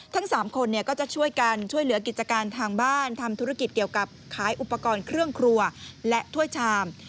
ทั้ง๓คนก็จะช่วยกันช่วยเหลือกิจการทางบ้านทำธุรกิจเกี่ยวกับขายอุปกรณ์เครื่องครัวและถ้วยชาม